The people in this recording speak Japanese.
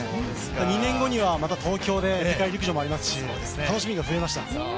２年後にはまた東京で世界陸上もありますし楽しみが増えました。